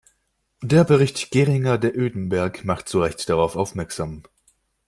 Der Bericht Geringer de Oedenberg macht zu Recht darauf aufmerksam.